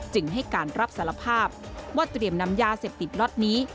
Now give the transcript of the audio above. จึงให้การรับสารภาพว่าเตรียมนำยาเสพติดล็อตนี้